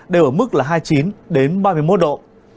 đều ở mức là hai mươi chín đến ba mươi một độ